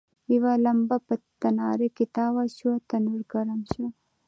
یوه لمبه په تناره کې تاوه شوه، تنور ګرم شو.